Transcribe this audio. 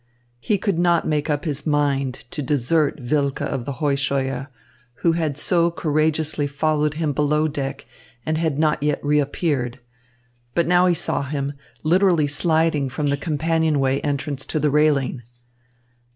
He could not make up his mind to desert Wilke of the Heuscheuer, who had so courageously followed him below deck and had not yet reappeared. But now he saw him, literally sliding from the companionway entrance to the railing.